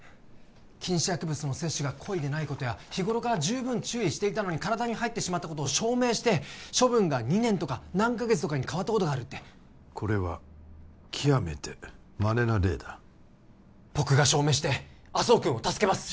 禁止薬物の摂取が故意でないことや日頃から十分注意していたのに体に入ってしまったことを証明して処分が２年とか何カ月とかに変わったことがあるってこれは極めてまれな例だ僕が証明して麻生君を助けます